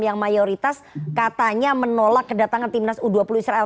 yang mayoritas katanya menolak kedatangan timnas u dua puluh israel